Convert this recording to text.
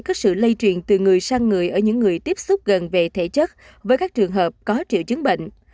có sự lây truyền từ người sang người ở những người tiếp xúc gần về thể chất với các trường hợp có triệu chứng bệnh